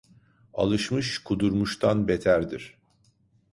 Alışmış kudurmuştan beterdir.